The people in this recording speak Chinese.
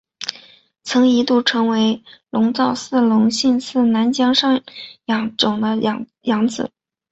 曾一度成为龙造寺隆信次男江上家种的养子。